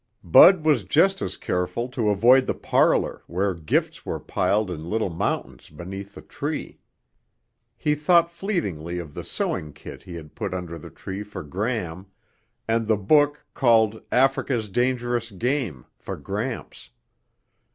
Bud was just as careful to avoid the parlor where gifts were piled in little mountains beneath the tree. He thought fleetingly of the sewing kit he had put under the tree for Gram and the book called Africa's Dangerous Game for Gramps.